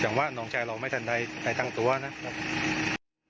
แต่ว่าน้องชายเราไม่ทันได้ตั้งตัวนะครับ